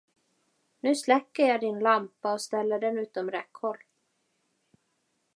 Nu släcker jag din lampa och ställer den utom räckhåll.